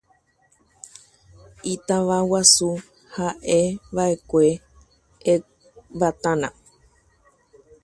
Su capital fue Ecbatana.